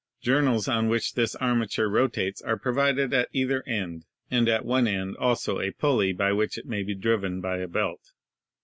Journals on which this armature ro tates are provided at either end, and at one end also a pul ley by which it may be driven by a belt.